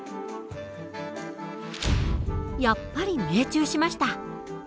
やっぱり命中しました。